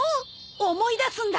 思い出すんだ。